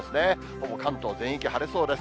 ほぼ関東全域、晴れそうです。